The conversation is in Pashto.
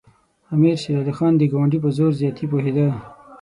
امیر شېر علي خان د ګاونډي په زور زیاتي پوهېده.